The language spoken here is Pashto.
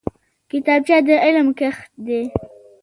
کتابچه د علم کښت دی